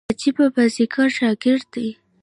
عجبه بازيګر شاګرد دئ.